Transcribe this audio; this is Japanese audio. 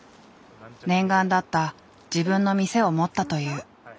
念願だった自分の店を持ったという。